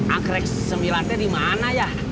anggrek sembilan nya di mana ya